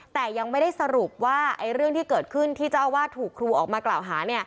แต่ยังไม่ได้สรุปว่าเรื่องที่เกิดขึ้นที่เจ้าอาวาสถูกครูออกมากล่าวหา